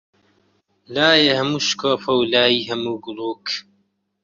لایێ هەموو شکۆفە و، لایی هەموو گوڵووک